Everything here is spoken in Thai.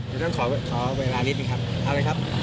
ขอเวลานิดหน่อยครับเอาเลยครับ